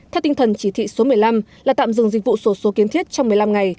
theo tinh thần chỉ thị số một mươi năm là tạm dừng dịch vụ sổ số kiến thiết trong một mươi năm ngày